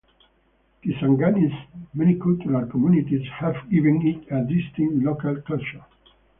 Kisangani's many cultural communities have given it a distinct local culture.